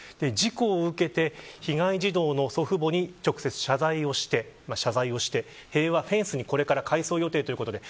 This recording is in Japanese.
事故を受けて、被害児童の祖父母に、直接謝罪をして塀はフェンスに、これから改装予定ということです。